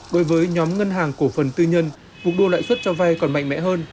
đối với nhóm ngân hàng cổ phần tư nhân cuộc đua lãi suất cho vay còn mạnh mẽ hơn